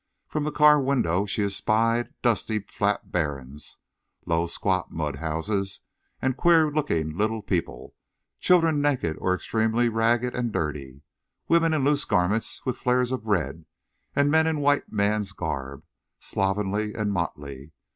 From the car window she espied dusty flat barrens, low squat mud houses, and queer looking little people, children naked or extremely ragged and dirty, women in loose garments with flares of red, and men in white man's garb, slovenly and motley.